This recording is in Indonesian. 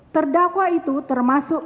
terdakwa itu termasuk